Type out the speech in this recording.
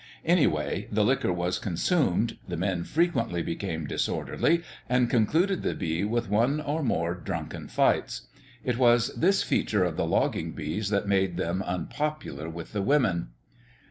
Anyway, the liquor was consumed; the men frequently became disorderly, and concluded the bee with one or more drunken fights. It was this feature of the logging bees that made them unpopular with the women.